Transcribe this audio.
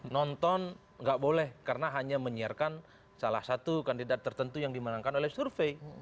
nonton nggak boleh karena hanya menyiarkan salah satu kandidat tertentu yang dimenangkan oleh survei